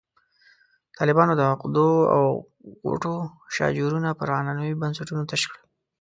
طالبانو د عقدو او غوټو شاجورونه پر عنعنوي بنسټونو تش کړل.